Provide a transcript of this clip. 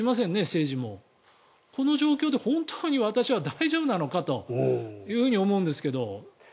政治もこの状況で本当に私は大丈夫なのかというふうに思うんですけど。